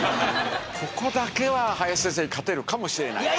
ここだけは林先生に勝てるかもしれない。